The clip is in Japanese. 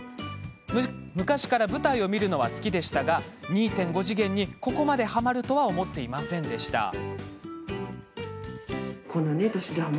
昔から舞台を見るのは好きでしたが２．５次元にここまで、はまるとは思ってもいませんでした。